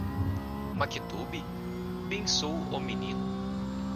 Maktub? pensou o menino.